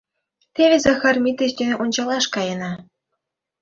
— Теве Захар Митрич дене ончалаш каена.